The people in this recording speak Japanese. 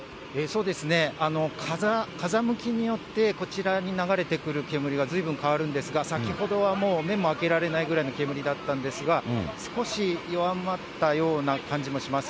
風向きによって、こちらに流れてくる煙がずいぶん変わるんですが、先ほどはもう目もあけられないぐらいの煙だったんですが、少し弱まったような感じもします。